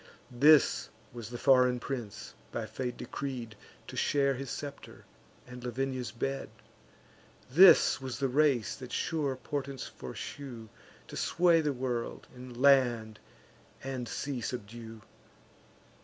This was the foreign prince, by fate decreed To share his scepter, and Lavinia's bed; This was the race that sure portents foreshew To sway the world, and land and sea subdue.